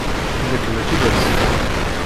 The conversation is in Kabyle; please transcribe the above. Nekk mačči d azeffan.